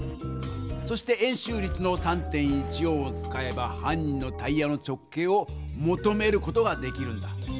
そして円周率の３．１４を使えば犯人のタイヤの直径をもとめる事ができるんだ。